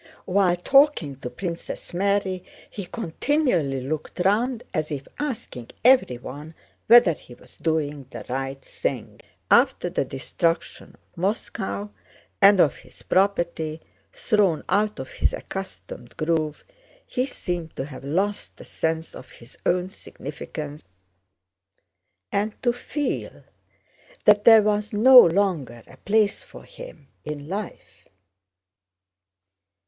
While talking to Princess Mary he continually looked round as if asking everyone whether he was doing the right thing. After the destruction of Moscow and of his property, thrown out of his accustomed groove he seemed to have lost the sense of his own significance and to feel that there was no longer a place for him in life.